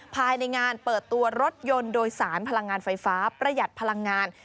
ภายในงานเปิดตัวรถยนต์โดยสารพลังงานไฟฟ้าประหยัดพลังงาน